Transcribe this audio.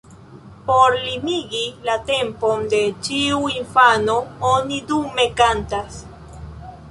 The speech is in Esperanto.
Por limigi la tempon de ĉiu infano oni dume kantas.